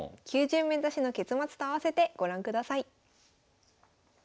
９０面指しの結末と併せてご覧ください。